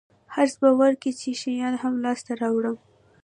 حرص به ورکوي چې شیان هم لاسته راوړم.